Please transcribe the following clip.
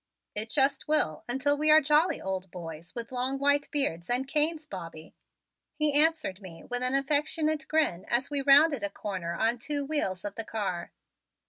"It just will until we are jolly old boys with long white beards and canes, Bobby," he answered me with an affectionate grin as we rounded a corner on two wheels of the car.